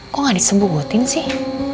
kok gak disembuhkutin sih